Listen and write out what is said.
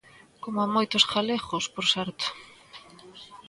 Coma moitos galegos, por certo.